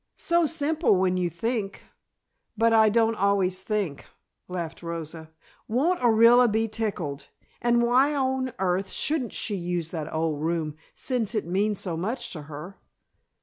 "So simple when you think; but I don't always think," laughed Rosa. "Won't Orilla be tickled? And why on earth shouldn't she use that old room since it means so much to her?"